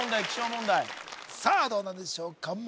気象問題さあどうなんでしょうか？